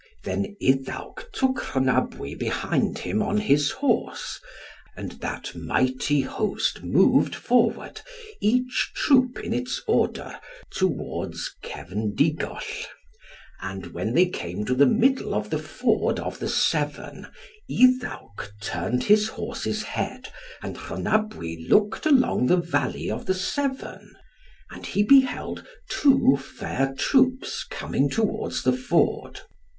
Then Iddawc took Rhonabwy behind him on his horse, and that mighty host moved forward, each troop in its order, towards Cevndigoll. And when they came to the middle of the ford of the Severn, Iddawc turned his horse's head, and Rhonabwy looked along the valley of the Severn. And he beheld two fair troops coming towards the ford.